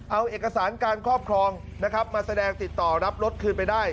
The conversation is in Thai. เอาเอกสารการครอบครองนะครับมาแสดงติดต่อรับรถคืนไปได้